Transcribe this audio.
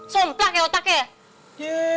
somplak ya otaknya